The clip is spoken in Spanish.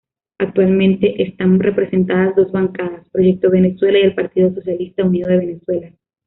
Actualmente están representadas dos bancadas: Proyecto Venezuela y el Partido Socialista Unido de Venezuela.